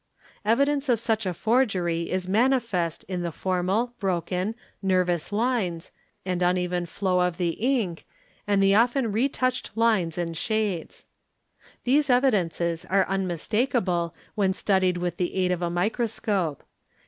Evidence of such a forgery is manifest in the formal, broken, nervous — lines, the uneven flow of the ink, and the often retouched lines and shades. — These evidences are unmistakable when studied with the aid of a micros — cope.